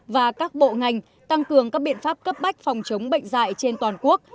và các bộ ngành tăng cường các biện pháp cấp bách phòng chống bệnh dạy trên toàn quốc